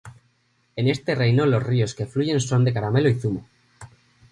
En este reino, los ríos que fluyen son de caramelo y zumo.